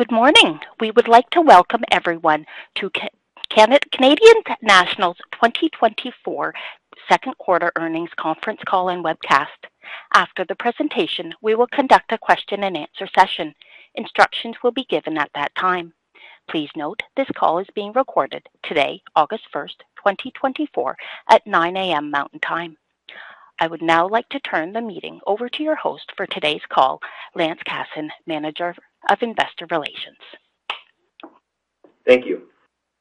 Good morning. We would like to welcome everyone to Canadian Natural's 2024 Second Quarter Earnings Conference Call and Webcast. After the presentation, we will conduct a question-and-answer session. Instructions will be given at that time. Please note this call is being recorded today, August 1st, 2024, at 9:00 A.M. Mountain Time. I would now like to turn the meeting over to your host for today's call, Lance Casson, Manager of Investor Relations. Thank you.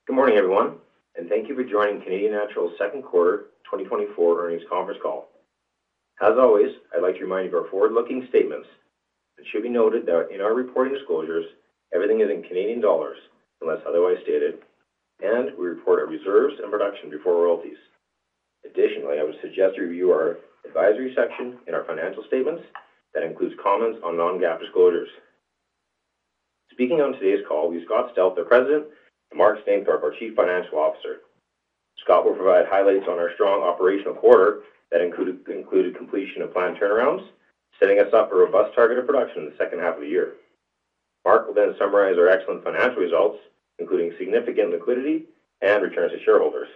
Good morning, everyone, and thank you for joining Canadian Natural's second quarter 2024 earnings conference call. As always, I'd like to remind you of our forward-looking statements. It should be noted that in our reporting disclosures, everything is in Canadian dollars unless otherwise stated, and we report our reserves and production before royalties. Additionally, I would suggest you review our advisory section in our financial statements that includes comments on non-GAAP disclosures. Speaking on today's call, we have Scott Stauth, President, and Mark Stainthorpe, our Chief Financial Officer. Scott will provide highlights on our strong operational quarter that included completion of planned turnarounds, setting us up for robust targeted production in the second half of the year. Mark will then summarize our excellent financial results, including significant liquidity and returns to shareholders.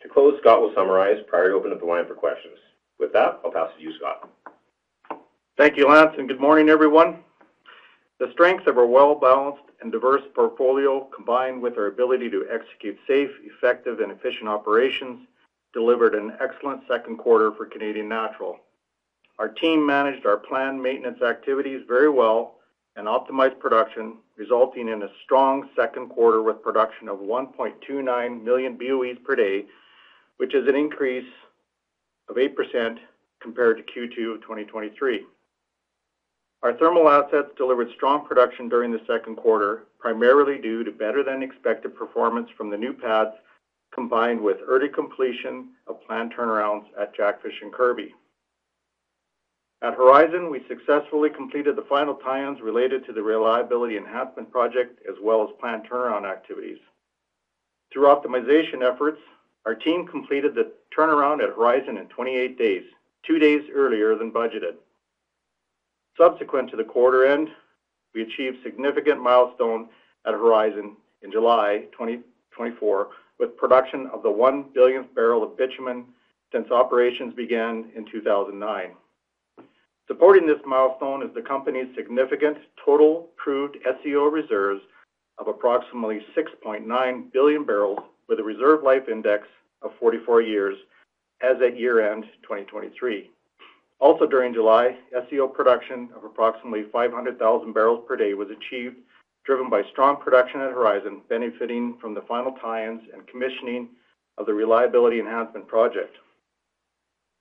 To close, Scott will summarize prior to opening up the line for questions. With that, I'll pass it to you, Scott. Thank you, Lance, and good morning, everyone. The strengths of our well-balanced and diverse portfolio, combined with our ability to execute safe, effective, and efficient operations, delivered an excellent second quarter for Canadian Natural. Our team managed our planned maintenance activities very well and optimized production, resulting in a strong second quarter with production of 1.29 million BOEs per day, which is an increase of 8% compared to Q2 of 2023. Our thermal assets delivered strong production during the second quarter, primarily due to better-than-expected performance from the new pads, combined with early completion of planned turnarounds at Jackfish and Kirby. At Horizon, we successfully completed the final tie-ins related to the reliability enhancement project, as well as planned turnaround activities. Through optimization efforts, our team completed the turnaround at Horizon in 28 days, two days earlier than budgeted. Subsequent to the quarter end, we achieved significant milestones at Horizon in July 2024, with production of the 1 billionth barrel of bitumen since operations began in 2009. Supporting this milestone is the company's significant total proved SCO reserves of approximately 6.9 billion barrels, with a reserve life index of 44 years as at year-end 2023. Also, during July, SCO production of approximately 500,000 barrels per day was achieved, driven by strong production at Horizon, benefiting from the final tie-ins and commissioning of the reliability enhancement project.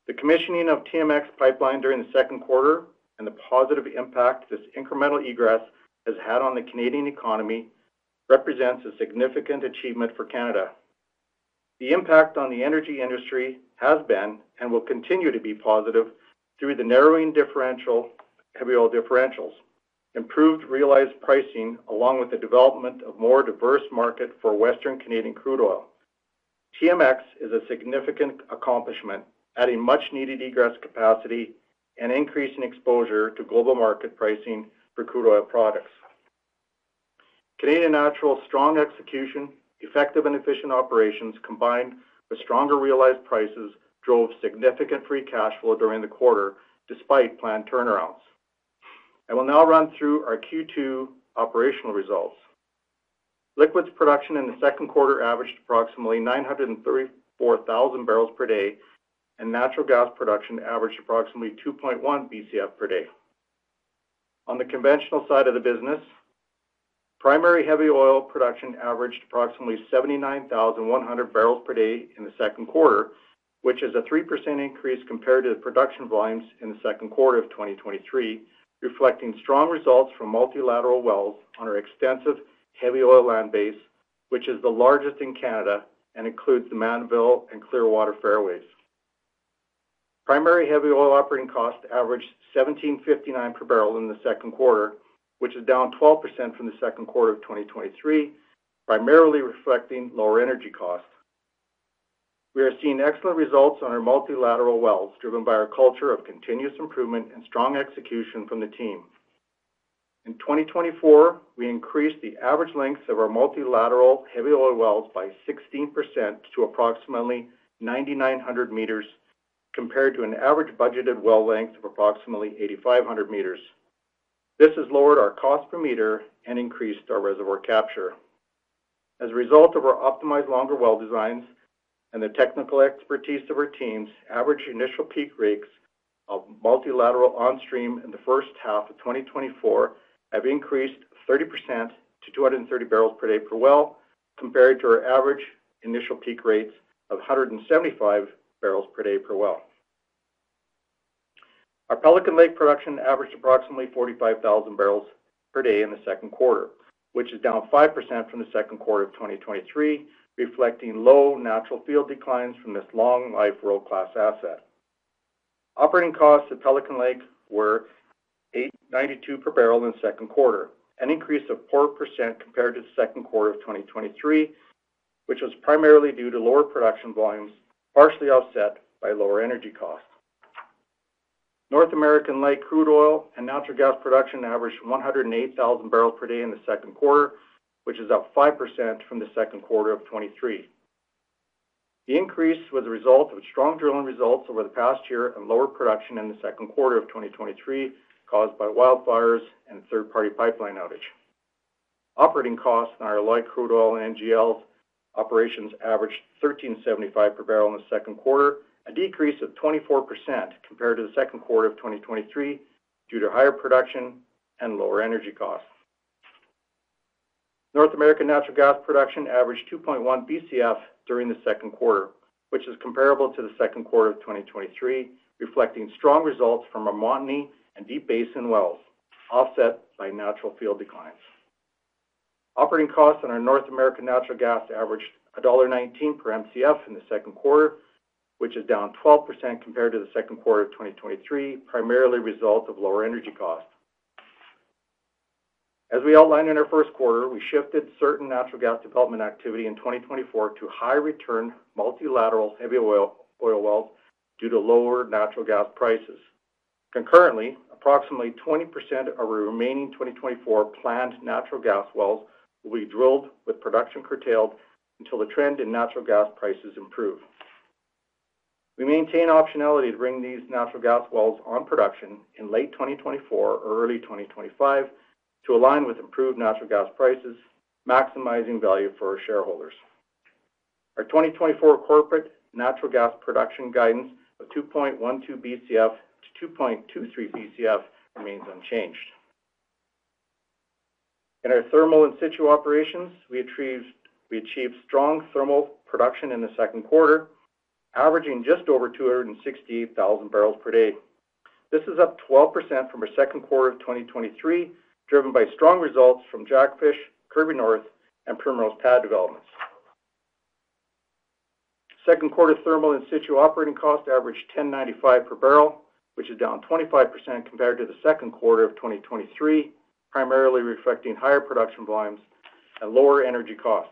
The commissioning of TMX pipeline during the second quarter and the positive impact this incremental egress has had on the Canadian economy represents a significant achievement for Canada. The impact on the energy industry has been and will continue to be positive through the narrowing differential of heavy oil differentials, improved realized pricing, along with the development of a more diverse market for Western Canadian crude oil. TMX is a significant accomplishment, adding much-needed egress capacity and increasing exposure to global market pricing for crude oil products. Canadian Natural's strong execution, effective and efficient operations, combined with stronger realized prices, drove significant free cash flow during the quarter, despite planned turnarounds. I will now run through our Q2 operational results. Liquids production in the second quarter averaged approximately 934,000 barrels per day, and natural gas production averaged approximately 2.1 BCF per day. On the conventional side of the business, primary heavy oil production averaged approximately 79,100 barrels per day in the second quarter, which is a 3% increase compared to the production volumes in the second quarter of 2023, reflecting strong results from multilateral wells on our extensive heavy oil land base, which is the largest in Canada and includes the Mannville and Clearwater Fairways. Primary heavy oil operating cost averaged 1,759 per barrel in the second quarter, which is down 12% from the second quarter of 2023, primarily reflecting lower energy costs. We are seeing excellent results on our multilateral wells, driven by our culture of continuous improvement and strong execution from the team. In 2024, we increased the average length of our multilateral heavy oil wells by 16% to approximately 9,900 meters, compared to an average budgeted well length of approximately 8,500 meters. This has lowered our cost per meter and increased our reservoir capture. As a result of our optimized longer well designs and the technical expertise of our teams, average initial peak rates of multilateral on-stream in the first half of 2024 have increased 30% to 230 barrels per day per well, compared to our average initial peak rates of 175 barrels per day per well. Our Pelican Lake production averaged approximately 45,000 barrels per day in the second quarter, which is down 5% from the second quarter of 2023, reflecting low natural field declines from this long-life world-class asset. Operating costs at Pelican Lake were 8.92 per barrel in the second quarter, an increase of 4% compared to the second quarter of 2023, which was primarily due to lower production volumes, partially offset by lower energy costs. North American light crude oil and natural gas production averaged 108,000 barrels per day in the second quarter, which is up 5% from the second quarter of 2023. The increase was a result of strong drilling results over the past year and lower production in the second quarter of 2023, caused by wildfires and third-party pipeline outage. Operating costs on our light crude oil and NGL operations averaged 1,375 per barrel in the second quarter, a decrease of 24% compared to the second quarter of 2023, due to higher production and lower energy costs. North American natural gas production averaged 2.1 BCF during the second quarter, which is comparable to the second quarter of 2023, reflecting strong results from our Montney and Deep Basin wells, offset by natural field declines. Operating costs on our North American natural gas averaged 1.19 dollar per MCF in the second quarter, which is down 12% compared to the second quarter of 2023, primarily a result of lower energy costs. As we outlined in our first quarter, we shifted certain natural gas development activity in 2024 to high-return multilateral heavy oil wells due to lower natural gas prices. Concurrently, approximately 20% of our remaining 2024 planned natural gas wells will be drilled with production curtailed until the trend in natural gas prices improves. We maintain optionality to bring these natural gas wells on production in late 2024 or early 2025 to align with improved natural gas prices, maximizing value for our shareholders. Our 2024 corporate natural gas production guidance of 2.12-2.23 BCF remains unchanged. In our thermal in situ operations, we achieved strong thermal production in the second quarter, averaging just over 268,000 barrels per day. This is up 12% from our second quarter of 2023, driven by strong results from Jackfish, Kirby North, and Primrose Pad developments. Second quarter thermal in situ operating cost averaged 1,095 per barrel, which is down 25% compared to the second quarter of 2023, primarily reflecting higher production volumes and lower energy costs.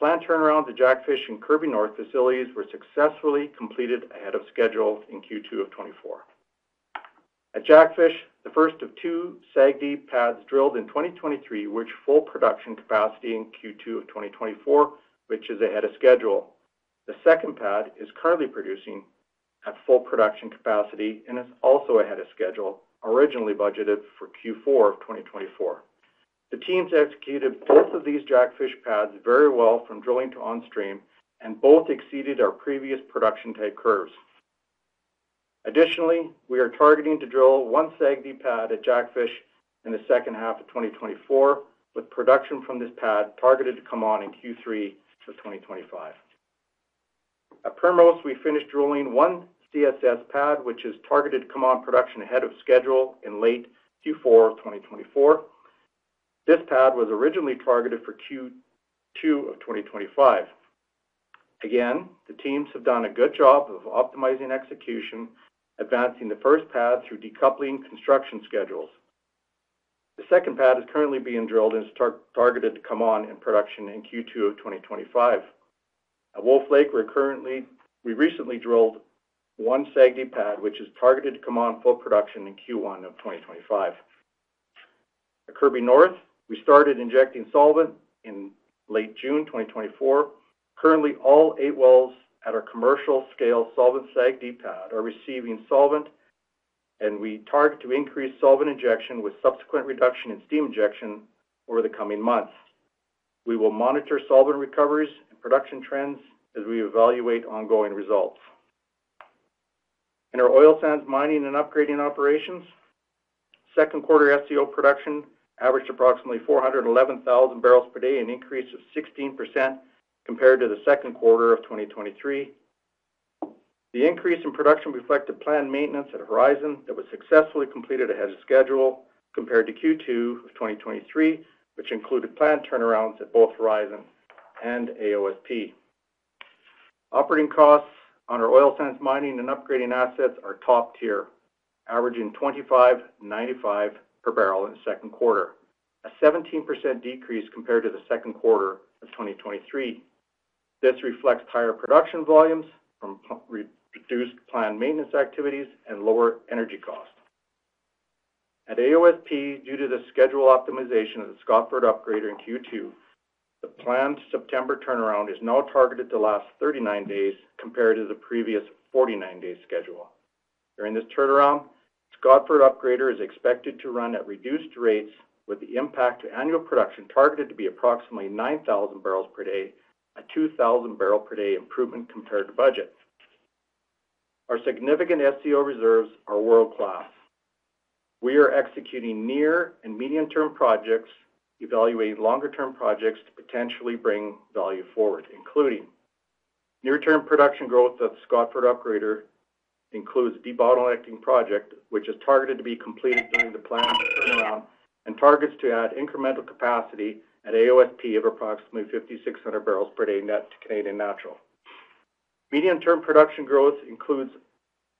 Planned turnarounds at Jackfish and Kirby North facilities were successfully completed ahead of schedule in Q2 of 2024. At Jackfish, the first of two SAGD pads drilled in 2023 reached full production capacity in Q2 of 2024, which is ahead of schedule. The second pad is currently producing at full production capacity and is also ahead of schedule, originally budgeted for Q4 of 2024. The teams executed both of these Jackfish pads very well from drilling to on-stream, and both exceeded our previous production type curves. Additionally, we are targeting to drill one SAGD pad at Jackfish in the second half of 2024, with production from this pad targeted to come on in Q3 of 2025. At Primrose, we finished drilling one CSS pad, which is targeted to come on production ahead of schedule in late Q4 of 2024. This pad was originally targeted for Q2 of 2025. Again, the teams have done a good job of optimizing execution, advancing the first pad through decoupling construction schedules. The second pad is currently being drilled and is targeted to come on in production in Q2 of 2025. At Wolf Lake, we recently drilled one SAGD pad, which is targeted to come on full production in Q1 of 2025. At Kirby North, we started injecting solvent in late June 2024. Currently, all eight wells at our commercial-scale solvent SAGD pad are receiving solvent, and we target to increase solvent injection with subsequent reduction in steam injection over the coming months. We will monitor solvent recoveries and production trends as we evaluate ongoing results. In our oil sands mining and upgrading operations, second quarter SCO production averaged approximately 411,000 barrels per day, an increase of 16% compared to the second quarter of 2023. The increase in production reflected planned maintenance at Horizon that was successfully completed ahead of schedule compared to Q2 of 2023, which included planned turnarounds at both Horizon and AOSP. Operating costs on our oil sands mining and upgrading assets are top tier, averaging 2,595 per barrel in the second quarter, a 17% decrease compared to the second quarter of 2023. This reflects higher production volumes from reduced planned maintenance activities and lower energy cost. At AOSP, due to the schedule optimization of the Scotford Upgrader in Q2, the planned September turnaround is now targeted to last 39 days compared to the previous 49-day schedule. During this turnaround, Scotford Upgrader is expected to run at reduced rates, with the impact to annual production targeted to be approximately 9,000 barrels per day, a 2,000-barrel-per-day improvement compared to budget. Our significant SCO reserves are world-class. We are executing near and medium-term projects, evaluating longer-term projects to potentially bring value forward, including near-term production growth at the Scotford Upgrader, which includes a debottlenecking project, which is targeted to be completed during the planned turnaround and targets to add incremental capacity at AOSP of approximately 5,600 barrels per day net to Canadian Natural. Medium-term production growth includes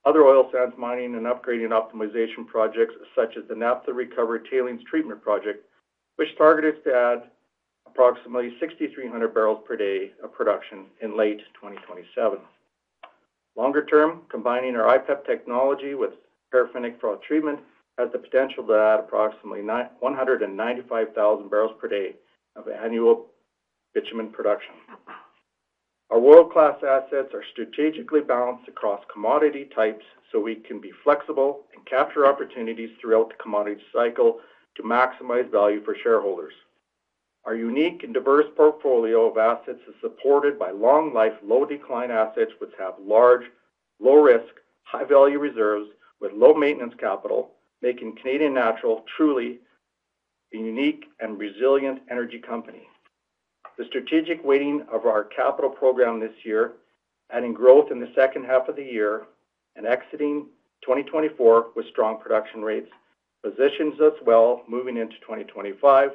other oil sands mining and upgrading optimization projects, such as the Naphtha Recovery Tailings Treatment Project, which targets to add approximately 6,300 barrels per day of production in late 2027. Longer-term, combining our IPEP technology with paraffinic froth treatment has the potential to add approximately 195,000 barrels per day of annual bitumen production. Our world-class assets are strategically balanced across commodity types, so we can be flexible and capture opportunities throughout the commodity cycle to maximize value for shareholders. Our unique and diverse portfolio of assets is supported by long-life, low-decline assets, which have large, low-risk, high-value reserves with low maintenance capital, making Canadian Natural truly a unique and resilient energy company. The strategic weighting of our capital program this year, adding growth in the second half of the year and exiting 2024 with strong production rates, positions us well moving into 2025,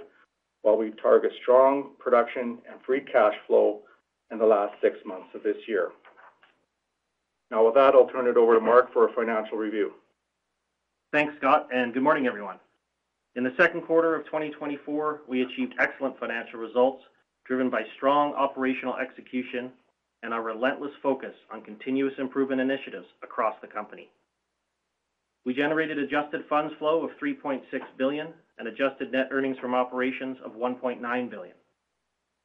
while we target strong production and free cash flow in the last six months of this year. Now, with that, I'll turn it over to Mark for a financial review. Thanks, Scott, and good morning, everyone. In the second quarter of 2024, we achieved excellent financial results driven by strong operational execution and our relentless focus on continuous improvement initiatives across the company. We generated adjusted funds flow of 3.6 billion and adjusted net earnings from operations of 1.9 billion.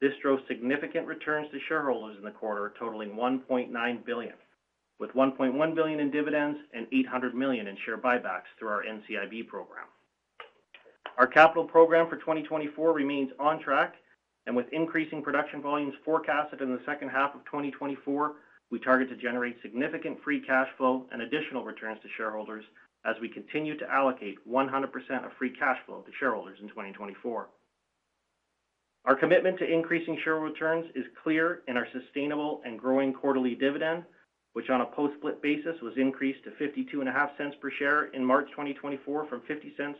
This drove significant returns to shareholders in the quarter, totaling 1.9 billion, with 1.1 billion in dividends and 800 million in share buybacks through our NCIB program. Our capital program for 2024 remains on track, and with increasing production volumes forecasted in the second half of 2024, we target to generate significant free cash flow and additional returns to shareholders as we continue to allocate 100% of free cash flow to shareholders in 2024. Our commitment to increasing share returns is clear in our sustainable and growing quarterly dividend, which on a post-split basis was increased to 0.525 per share in March 2024 from 0.50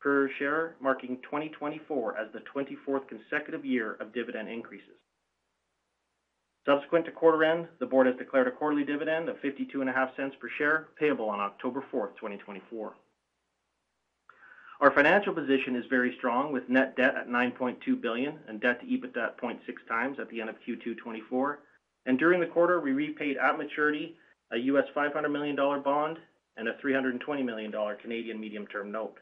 per share, marking 2024 as the 24th consecutive year of dividend increases. Subsequent to quarter end, the board has declared a quarterly dividend of 0.525 per share payable on October 4, 2024. Our financial position is very strong, with net debt at 9.2 billion and debt to EBITDA at 0.6x at the end of Q2 2024. And during the quarter, we repaid at maturity a $500 million bond and a 320 million Canadian dollars medium-term note.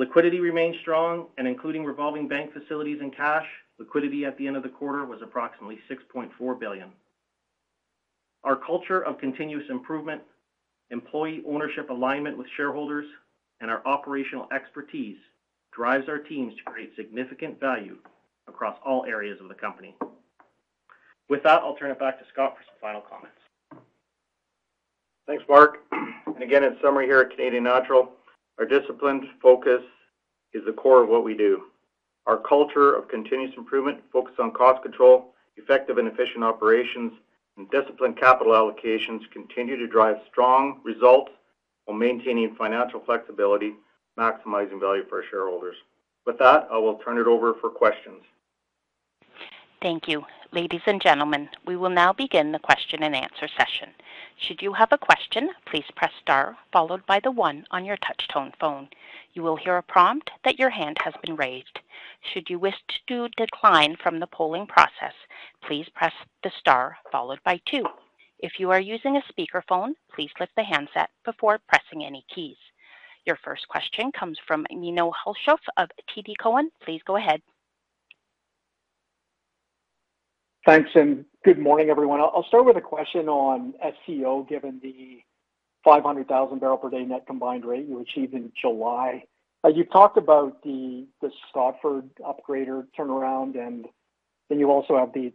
Liquidity remains strong, and including revolving bank facilities and cash, liquidity at the end of the quarter was approximately 6.4 billion. Our culture of continuous improvement, employee ownership alignment with shareholders, and our operational expertise drives our teams to create significant value across all areas of the company. With that, I'll turn it back to Scott for some final comments. Thanks, Mark. Again, in summary here at Canadian Natural, our disciplined focus is the core of what we do. Our culture of continuous improvement, focused on cost control, effective and efficient operations, and disciplined capital allocations continue to drive strong results while maintaining financial flexibility, maximizing value for our shareholders. With that, I will turn it over for questions. Thank you. Ladies and gentlemen, we will now begin the question and answer session. Should you have a question, please press star, followed by the one on your touch-tone phone. You will hear a prompt that your hand has been raised. Should you wish to decline from the polling process, please press the star followed by two. If you are using a speakerphone, please lift the handset before pressing any keys. Your first question comes from Menno Hulshof of TD Cowen. Please go ahead. Thanks, and good morning, everyone. I'll start with a question on SCO, given the 500,000 barrel per day net combined rate you achieved in July. You've talked about the Scotford Upgrader turnaround, and then you also have the,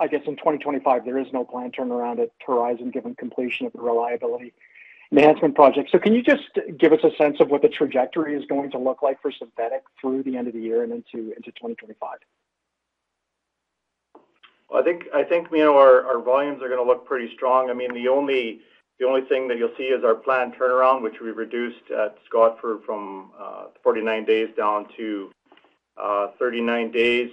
I guess, in 2025, there is no planned turnaround at Horizon given completion of the reliability management project. So can you just give us a sense of what the trajectory is going to look like for Synthetic through the end of the year and into 2025? Well, I think our volumes are going to look pretty strong. I mean, the only thing that you'll see is our planned turnaround, which we reduced at Scotford from 49 days down to 39 days.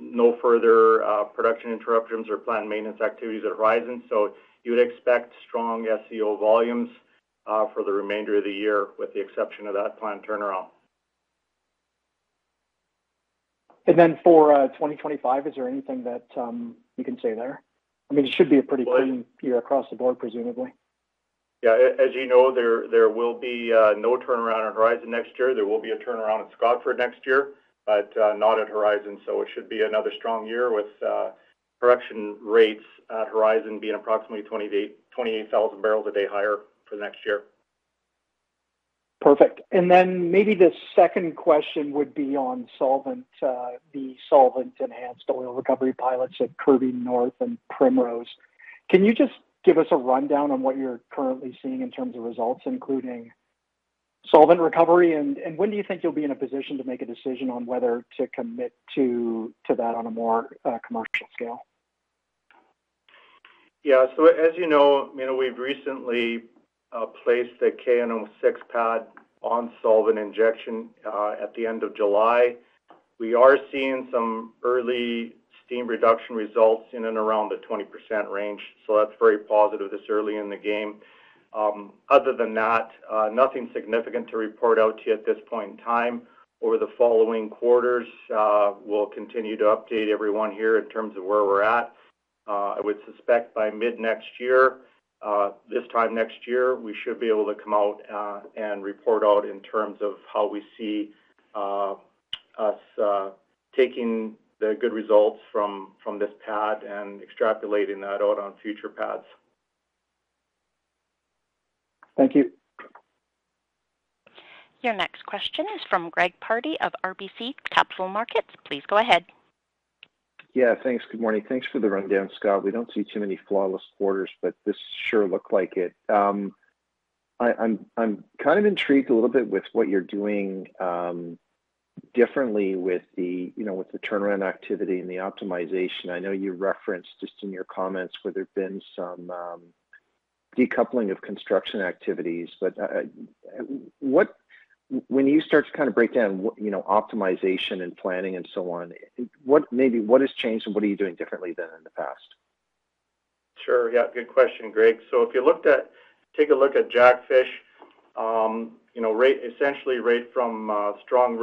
No further production interruptions or planned maintenance activities at Horizon. So you would expect strong SCO volumes for the remainder of the year, with the exception of that planned turnaround. And then for 2025, is there anything that you can say there? I mean, it should be a pretty clean year across the board, presumably. Yeah. As you know, there will be no turnaround at Horizon next year. There will be a turnaround at Scotford next year, but not at Horizon. It should be another strong year with production rates at Horizon being approximately 28,000 barrels a day higher for the next year. Perfect. And then maybe the second question would be on the solvent-enhanced oil recovery pilots at Kirby North and Primrose. Can you just give us a rundown on what you're currently seeing in terms of results, including solvent recovery, and when do you think you'll be in a position to make a decision on whether to commit to that on a more commercial scale? Yeah. So as you know, we've recently placed the KN06 pad on solvent injection at the end of July. We are seeing some early steam reduction results in and around the 20% range. So that's very positive this early in the game. Other than that, nothing significant to report out to you at this point in time. Over the following quarters, we'll continue to update everyone here in terms of where we're at. I would suspect by mid-next year, this time next year, we should be able to come out and report out in terms of how we see us taking the good results from this pad and extrapolating that out on future pads. Thank you. Your next question is from Greg Pardy of RBC Capital Markets. Please go ahead. Yeah, thanks. Good morning. Thanks for the rundown, Scott. We don't see too many flawless quarters, but this sure looked like it. I'm kind of intrigued a little bit with what you're doing differently with the turnaround activity and the optimization. I know you referenced just in your comments where there's been some decoupling of construction activities. But when you start to kind of break down optimization and planning and so on, maybe what has changed and what are you doing differently than in the past? Sure. Yeah. Good question, Greg. So if you take a look at Jackfish, essentially right from strong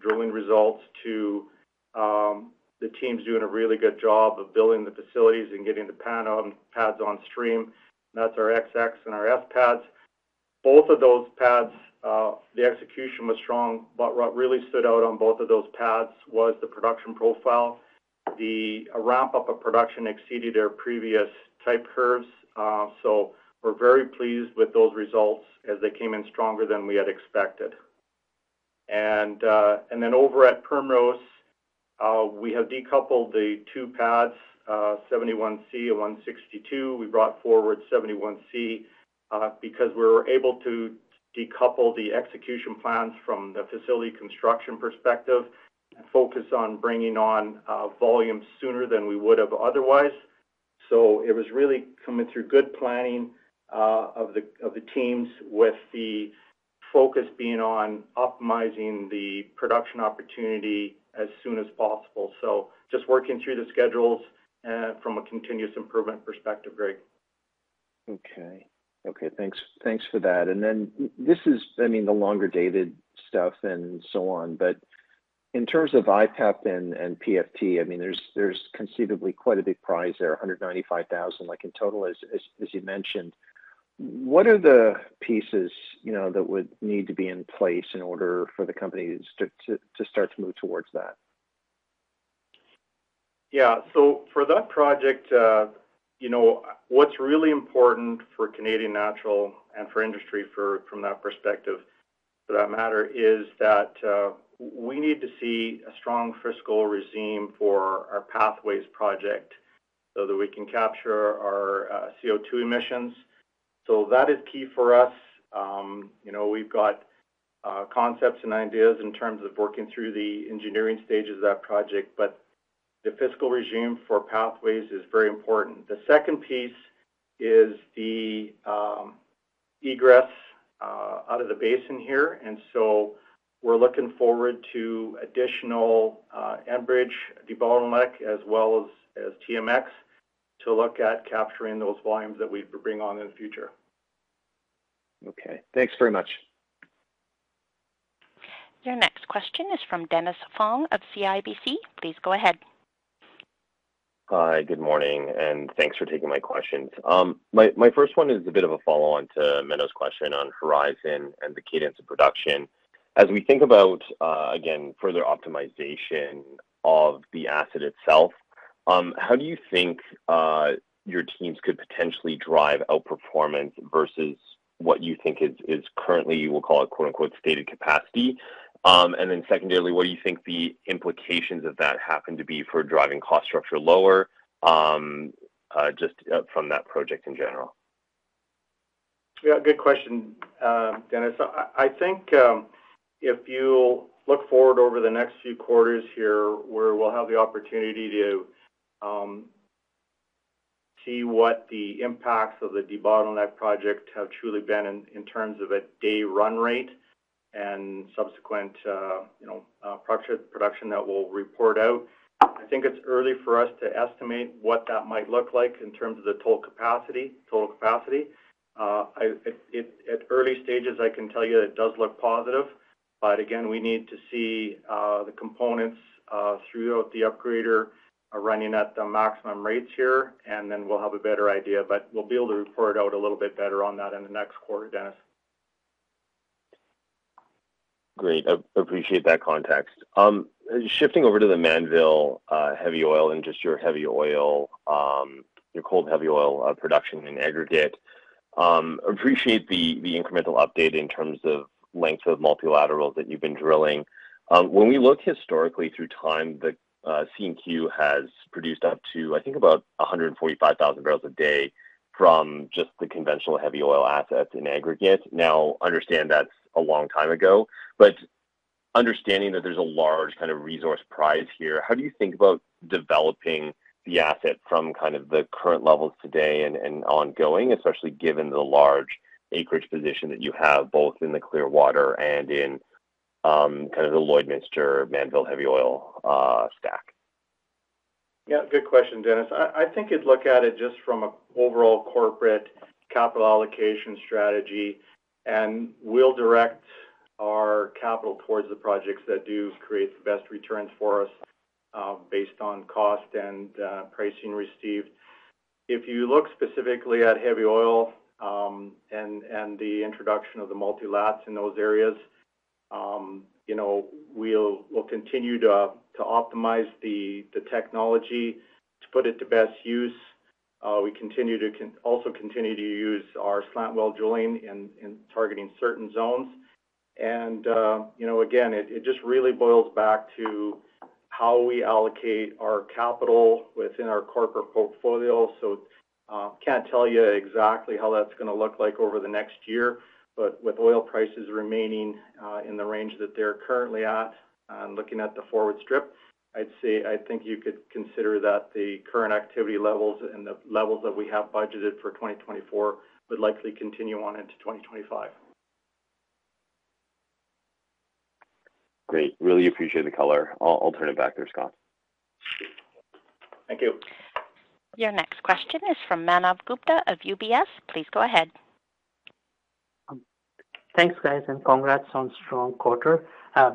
drilling results to the teams doing a really good job of building the facilities and getting the pads on stream, that's our XX and our S pads. Both of those pads, the execution was strong, but what really stood out on both of those pads was the production profile. The ramp-up of production exceeded our previous type curves. So we're very pleased with those results as they came in stronger than we had expected. And then over at Primrose, we have decoupled the two pads, 71C and 162. We brought forward 71C because we were able to decouple the execution plans from the facility construction perspective and focus on bringing on volume sooner than we would have otherwise. So it was really coming through good planning of the teams with the focus being on optimizing the production opportunity as soon as possible. So just working through the schedules from a continuous improvement perspective, Greg. Okay. Thanks for that. And then this is, I mean, the longer-dated stuff and so on. But in terms of IPEP and PFT, I mean, there's conceivably quite a big prize there, 195,000 in total, as you mentioned. What are the pieces that would need to be in place in order for the companies to start to move towards that? Yeah. So for that project, what's really important for Canadian Natural and for industry from that perspective, for that matter, is that we need to see a strong fiscal regime for our Pathways project so that we can capture our CO2 emissions. So that is key for us. We've got concepts and ideas in terms of working through the engineering stages of that project, but the fiscal regime for Pathways is very important. The second piece is the egress out of the basin here. And so we're looking forward to additional Enbridge debottleneck, as well as TMX to look at capturing those volumes that we bring on in the future. Okay. Thanks very much. Your next question is from Dennis Fong of CIBC. Please go ahead. Hi, good morning, and thanks for taking my questions. My first one is a bit of a follow-on to Meno's question on Horizon and the cadence of production. As we think about, again, further optimization of the asset itself, how do you think your teams could potentially drive outperformance versus what you think is currently, you will call it, "stated capacity"? And then secondarily, what do you think the implications of that happen to be for driving cost structure lower just from that project in general? Yeah. Good question, Dennis. I think if you look forward over the next few quarters here, where we'll have the opportunity to see what the impacts of the debottlenecking project have truly been in terms of a day run rate and subsequent production that we'll report out, I think it's early for us to estimate what that might look like in terms of the total capacity. At early stages, I can tell you it does look positive. But again, we need to see the components throughout the upgrader running at the maximum rates here, and then we'll have a better idea. But we'll be able to report out a little bit better on that in the next quarter, Dennis. Great. Appreciate that context. Shifting over to the Mannville heavy oil and just your heavy oil, your cold heavy oil production in aggregate. Appreciate the incremental update in terms of length of multilaterals that you've been drilling. When we look historically through time, the CNQ has produced up to, I think, about 145,000 barrels a day from just the conventional heavy oil assets in aggregate. Now, understand that's a long time ago. But understanding that there's a large kind of resource prize here, how do you think about developing the asset from kind of the current levels today and ongoing, especially given the large acreage position that you have both in the Clearwater and in kind of the Lloydminster Mannville heavy oil stack? Yeah. Good question, Dennis. I think you'd look at it just from an overall corporate capital allocation strategy and we'll direct our capital towards the projects that do create the best returns for us based on cost and pricing received. If you look specifically at heavy oil and the introduction of the multi-lats in those areas, we'll continue to optimize the technology to put it to best use. We also continue to use our slant well drilling in targeting certain zones. And again, it just really boils back to how we allocate our capital within our corporate portfolio. So I can't tell you exactly how that's going to look like over the next year. But with oil prices remaining in the range that they're currently at and looking at the forward strip, I'd say I think you could consider that the current activity levels and the levels that we have budgeted for 2024 would likely continue on into 2025. Great. Really appreciate the color. I'll turn it back there, Scott. Thank you. Your next question is from Manav Gupta of UBS. Please go ahead. Thanks, guys, and congrats on strong quarter.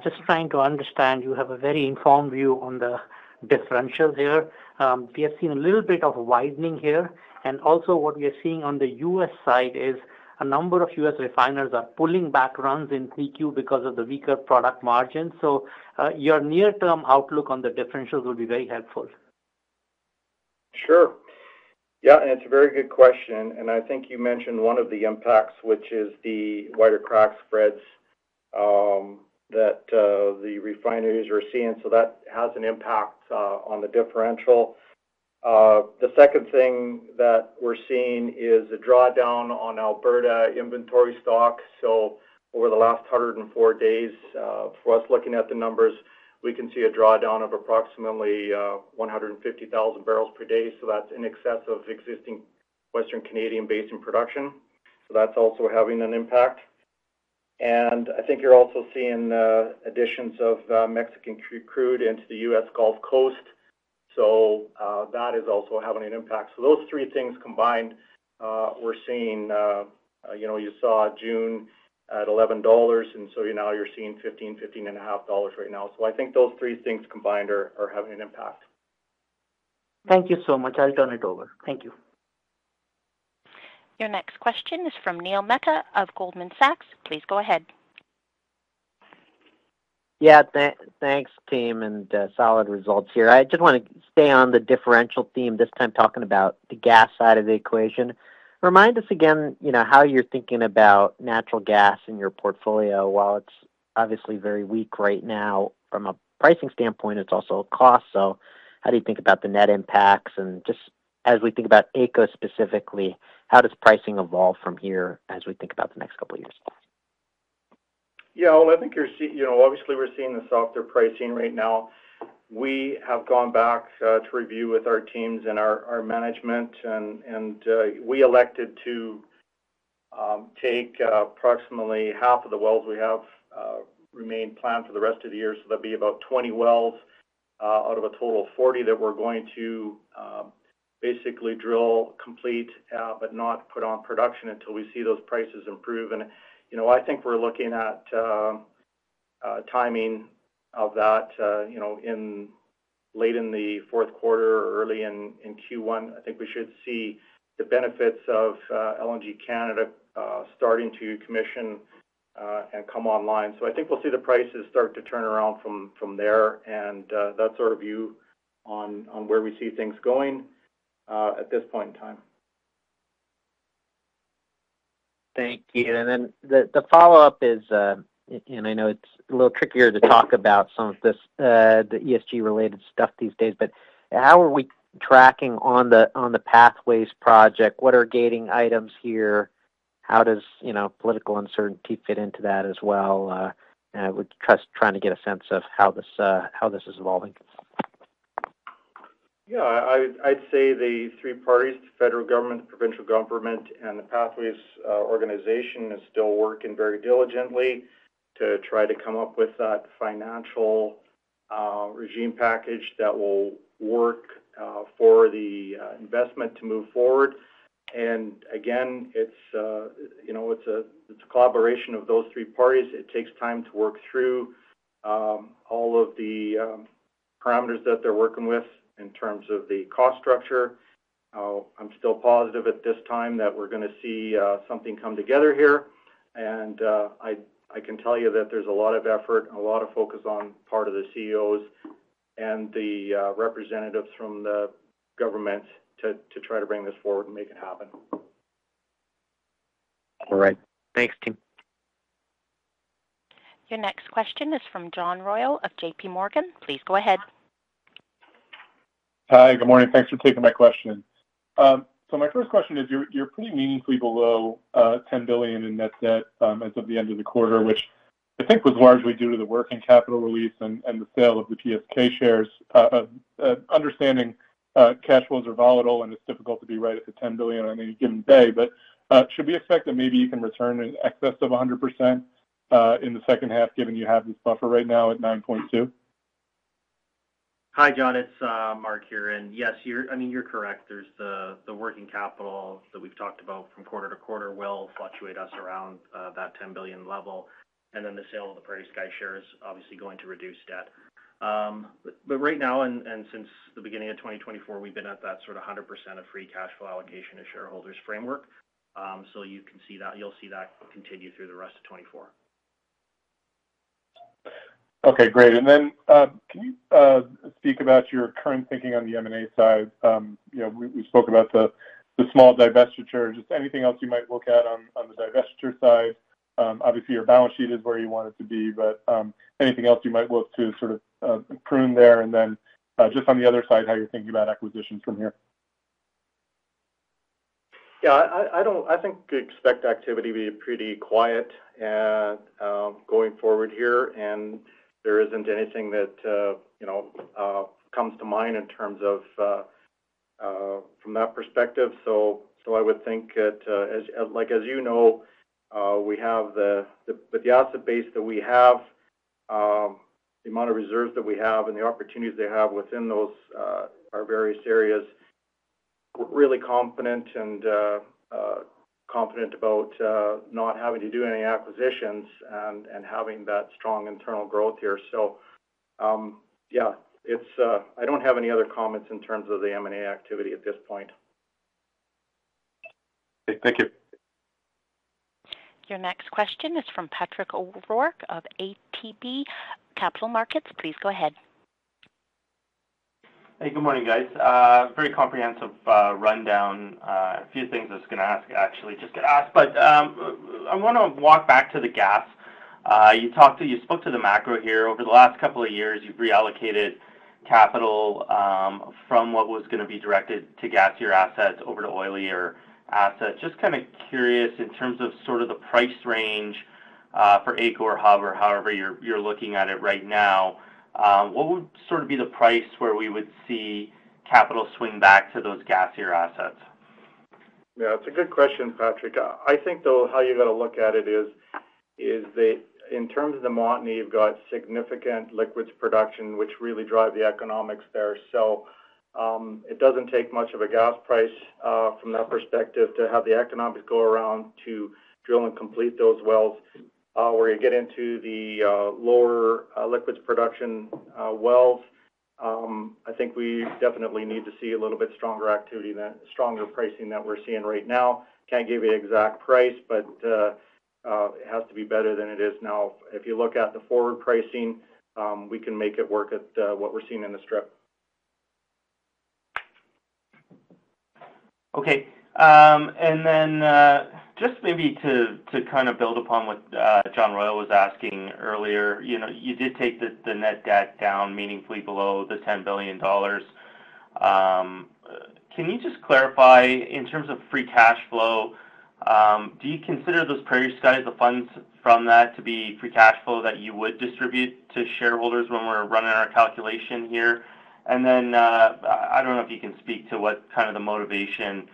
Just trying to understand, you have a very informed view on the differentials here. We have seen a little bit of widening here. And also what we are seeing on the U.S. side is a number of U.S. refiners are pulling back runs in 3Q because of the weaker product margin. So your near-term outlook on the differentials will be very helpful. Sure. Yeah. And it's a very good question. And I think you mentioned one of the impacts, which is the wider crack spreads that the refineries are seeing. So that has an impact on the differential. The second thing that we're seeing is a drawdown on Alberta inventory stock. So over the last 104 days, for us looking at the numbers, we can see a drawdown of approximately 150,000 barrels per day. So that's in excess of existing Western Canadian basin production. So that's also having an impact. And I think you're also seeing additions of Mexican crude into the U.S. Gulf Coast. So that is also having an impact. So those three things combined, we're seeing you saw June at 11 dollars, and so now you're seeing 15 dollars-CAD $15.5 right now. So I think those three things combined are having an impact. Thank you so much. I'll turn it over. Thank you. Your next question is from Neil Mehta of Goldman Sachs. Please go ahead. Yeah. Thanks team, and solid results here. I just want to stay on the differential theme this time, talking about the gas side of the equation. Remind us again how you're thinking about natural gas in your portfolio. While it's obviously very weak right now from a pricing standpoint, it's also a cost. So how do you think about the net impacts? And just as we think about AECO specifically, how does pricing evolve from here as we think about the next couple of years? Yeah. Well, I think obviously we're seeing the softer pricing right now. We have gone back to review with our teams and our management, and we elected to take approximately half of the wells we have remain planned for the rest of the year. So that'd be about 20 wells out of a total of 40 that we're going to basically drill, complete, but not put on production until we see those prices improve. And I think we're looking at timing of that late in the fourth quarter or early in Q1. I think we should see the benefits of LNG Canada starting to commission and come online. So I think we'll see the prices start to turn around from there. And that's our view on where we see things going at this point in time. Thank you. And then the follow-up is, and I know it's a little trickier to talk about some of the ESG-related stuff these days, but how are we tracking on the Pathways project? What are gating items here? How does political uncertainty fit into that as well? I would trust trying to get a sense of how this is evolving. Yeah. I'd say the three parties, the federal government, the provincial government, and the Pathways organization is still working very diligently to try to come up with that financial regime package that will work for the investment to move forward. And again, it's a collaboration of those three parties. It takes time to work through all of the parameters that they're working with in terms of the cost structure. I'm still positive at this time that we're going to see something come together here. And I can tell you that there's a lot of effort and a lot of focus on part of the CEOs and the representatives from the government to try to bring this forward and make it happen. All right. Thanks team. Your next question is from John Royall of JPMorgan. Please go ahead. Hi. Good morning. Thanks for taking my question. So my first question is, you're pretty meaningfully below 10 billion in net debt as of the end of the quarter, which I think was largely due to the working capital release and the sale of the PSK shares. Understanding cash flows are volatile, and it's difficult to be right at the 10 billion on any given day. But should we expect that maybe you can return in excess of 100% in the second half, given you have this buffer right now at 9.2 billion? Hi, John. It's Mark here. And yes, I mean, you're correct. There's the working capital that we've talked about from quarter to quarter will fluctuate us around that 10 billion level. And then the sale of the PrairieSky shares is obviously going to reduce debt. But right now, and since the beginning of 2024, we've been at that sort of 100% of free cash flow allocation to shareholders framework. So you can see that you'll see that continue through the rest of 2024. Okay. Great. And then can you speak about your current thinking on the M&A side? We spoke about the small divestiture. Just anything else you might look at on the divestiture side? Obviously, your balance sheet is where you want it to be, but anything else you might look to sort of prune there? And then just on the other side, how you're thinking about acquisitions from here? Yeah. I think expect activity to be pretty quiet going forward here. There isn't anything that comes to mind in terms of from that perspective. So I would think that, as you know, with the asset base that we have, the amount of reserves that we have, and the opportunities they have within our various areas, we're really confident and confident about not having to do any acquisitions and having that strong internal growth here. So yeah, I don't have any other comments in terms of the M&A activity at this point. Thank you. Your next question is from Patrick O'Rourke of ATB Capital Markets. Please go ahead. Hey, good morning, guys. Very comprehensive rundown. A few things I was going to ask, actually, just get asked. But I want to walk back to the gas. You spoke to the macro here. Over the last couple of years, you've reallocated capital from what was going to be directed to gasier assets over to oilier assets. Just kind of curious in terms of sort of the price range for AECO Hub, or however you're looking at it right now, what would sort of be the price where we would see capital swing back to those gasier assets? Yeah. That's a good question, Patrick. I think, though, how you're going to look at it is that in terms of the Montney, you've got significant liquids production, which really drive the economics there. So it doesn't take much of a gas price from that perspective to have the economics go around to drill and complete those wells. Where you get into the lower liquids production wells, I think we definitely need to see a little bit stronger activity than stronger pricing that we're seeing right now. Can't give you the exact price, but it has to be better than it is now. If you look at the forward pricing, we can make it work at what we're seeing in the strip. Okay. And then just maybe to kind of build upon what John Royall was asking earlier, you did take the net debt down meaningfully below the $10 billion. Can you just clarify in terms of free cash flow, do you consider those PrairieSky's, the funds from that, to be free cash flow that you would distribute to shareholders when we're running our calculation here? And then I don't know if you can speak to what kind of the motivation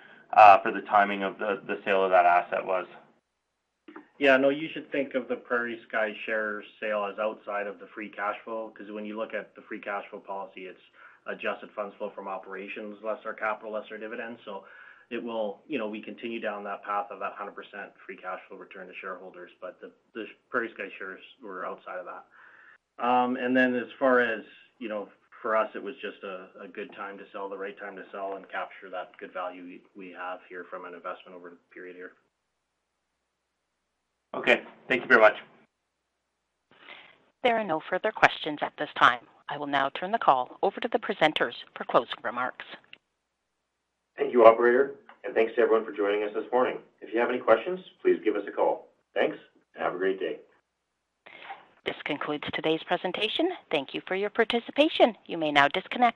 for the timing of the sale of that asset was. Yeah. No, you should think of the PrairieSky share sale as outside of the free cash flow because when you look at the free cash flow policy, it's adjusted funds flow from operations, less our capital, less our dividends. So we continue down that path of that 100% free cash flow return to shareholders, but the PrairieSky shares were outside of that. And then as far as for us, it was just a good time to sell, the right time to sell, and capture that good value we have here from an investment over the period here. Okay. Thank you very much. There are no further questions at this time. I will now turn the call over to the presenters for closing remarks. Thank you, operator. Thanks to everyone for joining us this morning. If you have any questions, please give us a call. Thanks, and have a great day. This concludes today's presentation. Thank you for your participation. You may now disconnect.